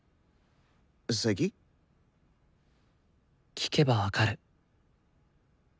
聴けば分かる。